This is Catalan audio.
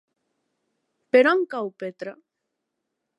Per on cau Petra?